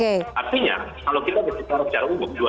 artinya kalau kita bicara secara umum